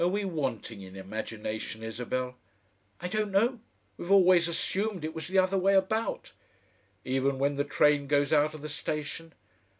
Are we wanting in imagination, Isabel?" "I don't know. We've always assumed it was the other way about." "Even when the train goes out of the station